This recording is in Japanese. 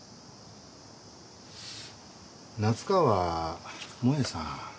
夏川萌さん